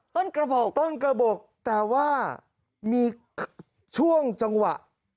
จนกระบบต้นกระบบแต่ว่ามีช่วงจังหวะหรือว่าส่วน